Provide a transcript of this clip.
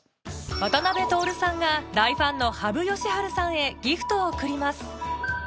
渡辺徹さんが大ファンの羽生善治さんへギフトを贈ります